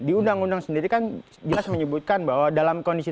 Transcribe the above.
di undang undang sendiri kan jelas menyebutkan